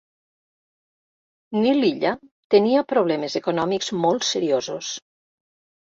Nil Illa tenia problemes econòmics molt seriosos.